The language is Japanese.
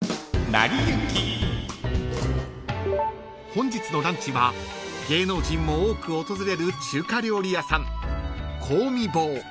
［本日のランチは芸能人も多く訪れる中華料理屋さん］